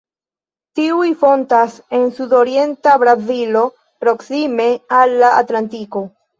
Tiuj fontas en sudorienta Brazilo, proksime al la Atlantiko.